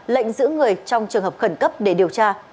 lệnh giữ người trong trường hợp khẩn cấp để điều tra